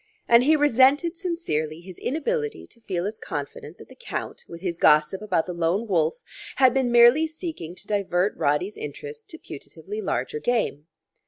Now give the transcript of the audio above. And he resented sincerely his inability to feel as confident that the Count, with his gossip about the Lone Wolf, had been merely seeking to divert Roddy's interest to putatively larger game.